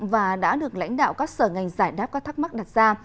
và đã được lãnh đạo các sở ngành giải đáp các thắc mắc đặt ra